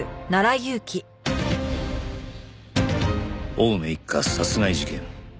青梅一家殺害事件